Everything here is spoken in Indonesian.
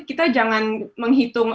kita jangan menghitung